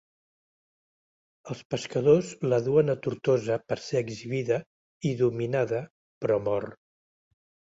Els pescadors la duen a Tortosa per ser exhibida i dominada però mor.